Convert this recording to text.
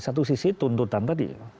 satu sisi tuntutan tadi